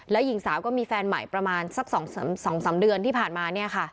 แล้วหญิงสาวก็มีแฟนใหม่ประมาณสัก๒๓เดือนที่ผ่านมาเนี่ยค่ะ